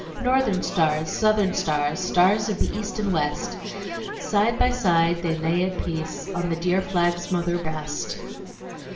Northern stars, Southern stars, stars of the East and West, Side by side they lie at peace On the dear flag's mother breast."